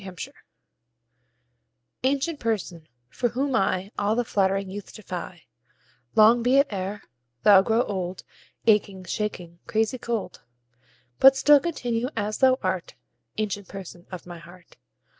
7 Autoplay Ancient Person, for whom I All the flattering youth defy, Long be it e'er thou grow old, Aching, shaking, crazy cold; But still continue as thou art, Ancient Person of my heart.